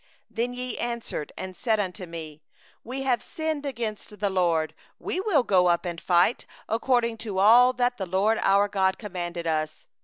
41Then ye answered and said unto me: 'We have sinned against the LORD, we will go up and fight, according to all that the LORD our God commanded us.